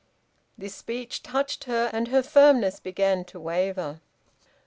This speech touched her, and her firmness began to waver.